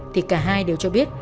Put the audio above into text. thì cả hai đều cho biết